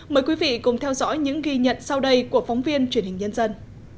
mời quý vị cùng theo dõi những ghi nhận sau đây của phóng viên truyền hình nhân dân